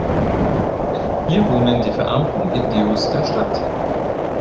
Hier wohnen die verarmten Indios der Stadt.